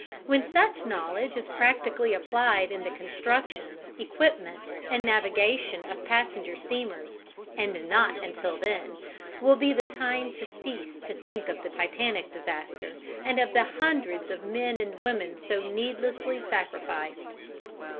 When such knowledge is practically applied in the construction, equipment, and navigation of passenger steamers and not until then will be the time to cease to think of the Titanic disaster and of the hundreds of men and women so needlessly sacrificed.